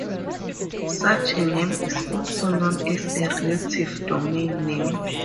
Such a name is also known as a relative domain name.